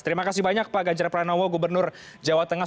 terima kasih banyak pak ganjar pranowo gubernur jawa tengah